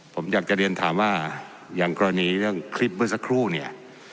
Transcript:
ผมอยากจะเรียนถามว่าอย่างกรณีเรื่องคลิปเมื่อสักครู่เนี่ย